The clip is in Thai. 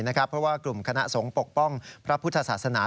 เพราะว่ากลุ่มคณะสงฆ์ปกป้องพระพุทธศาสนา